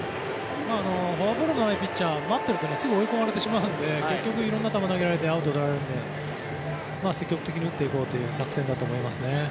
フォアボールのないピッチャー待っているとすぐ追い込まれてしまうので結局いろんな球を投げられてアウトをとられるので積極的に打っていこうという作戦だと思いますね。